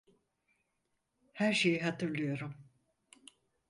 Her şeyi hatırlıyorum.